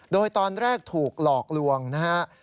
โดยตอนแรกถูกหลอกลวงนะฮะ